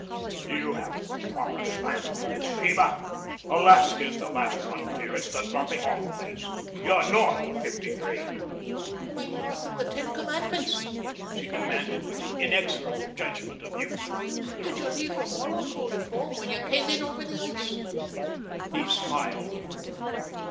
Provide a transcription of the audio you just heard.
"You haven't the proper slant on this, Sheba. Alaska is the last frontier. It's the dropping off place. You're north of fifty three." "Am I north of the Ten Commandments?" she demanded with the inexorable judgment of youth. "Did you leave the moral code at home when you came in over the ice?" He smiled a little.